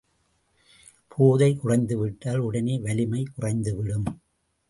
போதை குறைந்துவிட்டால் உடனே வலிமை குறைந்துவிடும்.